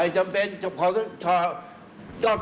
สำเร็จของมัติศพ